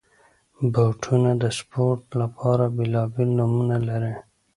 بوټونه د سپورټ لپاره بېلابېل نومونه لري.